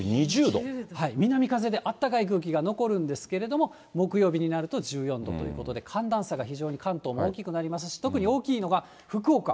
南風であったかい空気が残るんですけれども、木曜日になると１４度ということで、寒暖差が非常に関東も大きくなりますし、特に大きいのが福岡。